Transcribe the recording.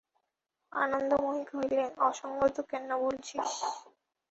আনন্দময়ী কহিলেন, অসংগত কেন বলছিস?